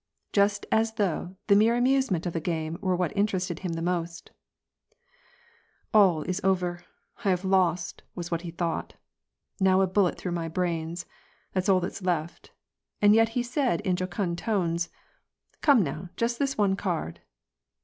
" Just as though the mere amusement of the game were what interested him the most ! "All is over ! I have lost !" was what he thought. " Now a bullet through my brains — that's all that's left," and yet he said in a jocund tone :" Come now, just this one card